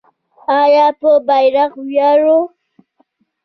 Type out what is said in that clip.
آیا په بیرغ ویاړو؟